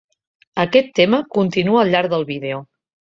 Aquest tema continua al llarg del vídeo.